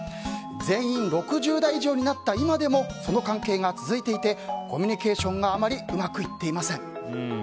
全員、６０代以上になった今でもその関係が続いていてコミュニケーションがあまりうまくいっていません。